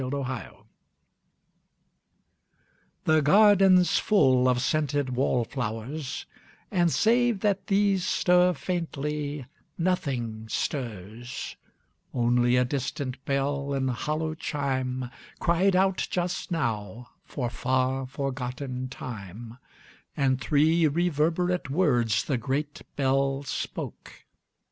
9 Autoplay The garden's full of scented wallflowers, And, save that these stir faintly, nothing stirs; Only a distant bell in hollow chime Cried out just now for far forgoten time, And three reverberate words the great bell spoke.